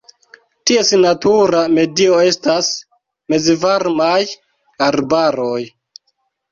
Ties natura medio estas mezvarmaj arbaroj.